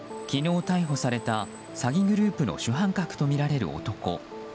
昨日逮捕された詐欺グループの主犯格とみられる男。